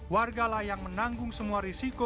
warga layang menanggung semua risiko rusaknya ekosistem